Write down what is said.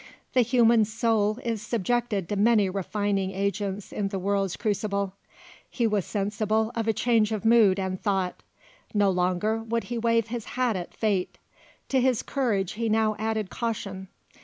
The human soul is subjected to many refining agents in the world's crucible. He was sensible of a change of mood and thought; no longer would he wave his hat at Fate; to his courage he had now added caution.